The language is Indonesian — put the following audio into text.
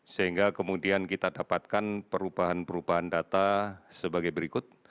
sehingga kemudian kita dapatkan perubahan perubahan data sebagai berikut